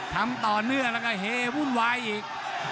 ทำต่อเนื่องแล้วก็เฮวุ่นวายอีก